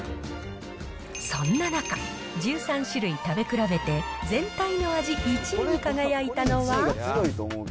そんな中、１３種類食べ比べて、全体の味１位に輝いたのは。